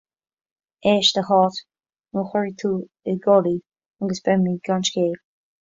Éist, a Cháit, nó cuirfidh tú ag gol í, agus beimid gan scéal.